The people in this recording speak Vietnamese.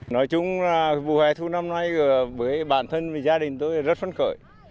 nói chung là vụ hẻ thu năm nay với bản thân và gia đình tôi rất phấn khởi